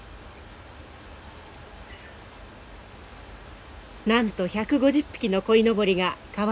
なんと１５０匹のこいのぼりが川を渡る。